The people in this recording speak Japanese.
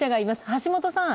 橋本さん